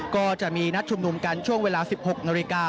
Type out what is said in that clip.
ก็จะมีนัดชุมนุมกันช่วงเวลา๑๖นาฬิกา